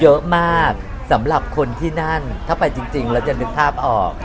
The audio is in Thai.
เยอะมากสำหรับคนที่นั่นถ้าไปจริงแล้วจะนึกภาพออก